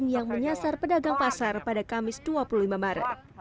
yang menyasar pedagang pasar pada kamis dua puluh lima maret